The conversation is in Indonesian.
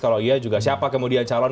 kalau iya juga siapa kemudian calon